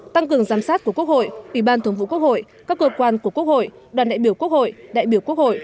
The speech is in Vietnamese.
tăng cường giám sát của quốc hội ủy ban thường vụ quốc hội các cơ quan của quốc hội đoàn đại biểu quốc hội đại biểu quốc hội